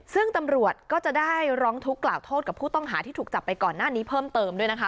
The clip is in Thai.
ซึ่งตำรวจก็จะได้ร้องทุกข์กล่าวโทษกับผู้ต้องหาที่ถูกจับไปก่อนหน้านี้เพิ่มเติมด้วยนะคะ